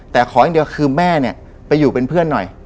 แต่ขออย่างเดียวคือแม่เนี่ยไปอยู่เป็นเพื่อนหน่อย